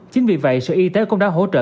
chính vì vậy sở y tế cũng đã hỗ trợ